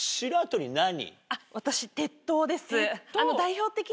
私鉄塔です。